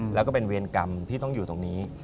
แล้วก็เป็นเวรกรรมที่ต้องอยู่ตรงนี้